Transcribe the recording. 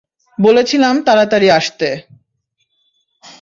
বলেছিলাম তাড়াতাড়ি আসতে।